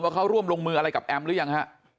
เขาร่วมลงมืออะไรกับแอมหรือยังฮะ